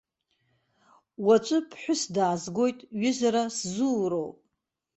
Уаҵәы ԥҳәыс даазгоит, ҩызара сзууроуп.